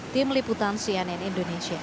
tim liputan cnn indonesia